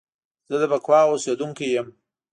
زه د بکواه اوسیدونکی یم